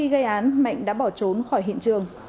cái án mạnh đã bỏ trốn khỏi hiện trường